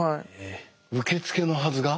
受付のはずが？